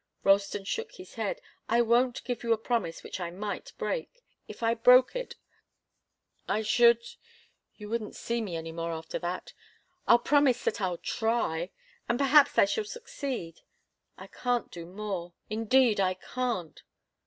Ralston shook his head. "I won't give you a promise which I might break. If I broke it, I should you wouldn't see me any more after that. I'll promise that I'll try, and perhaps I shall succeed. I can't do more indeed, I can't."